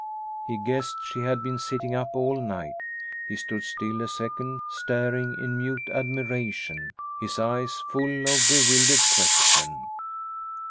He guessed she had been sitting up all night. He stood still a second, staring in mute admiration, his eyes full of bewildered question.